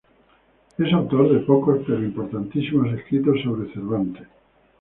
Es autor de pocos pero importantísimos escritos sobre Cervantes.